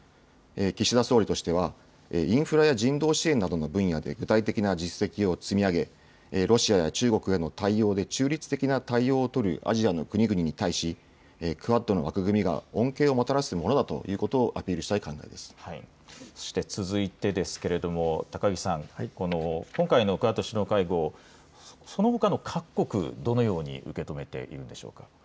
岸田総理としては、インフラや人道支援などの分野で具体的な実績を積み上げ、ロシアや中国への対応で中立的な対応を取るアジアの国々に対し、クアッドの枠組みが恩恵をもたらすものだということそして続いてですけれども、高木さん、今回のクアッド首脳会合、そのほかの各国、どのように受け止めているんでしょうか。